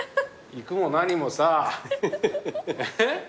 行くも何もさ。え？